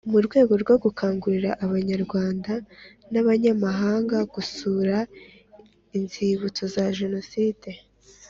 Mu rwego rwo gukangurira Abanyarwanda n Abanyamahanga gusura Inzibutso za Jenoside